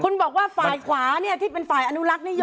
คุณบอกว่าฝ่ายขวาเนี่ยที่เป็นฝ่ายอนุรักษ์นิยม